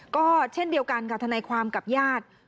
ก็เช่นเดียวกันค่ะทนายความกับญาติ